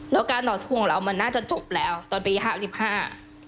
แล้วการต่อสู้ของเรามันน่าจะจบแล้วตอนปีห้าสิบห้า